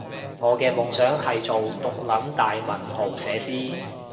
我嘅夢想係做毒撚大文豪寫詩